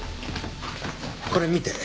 これ見て。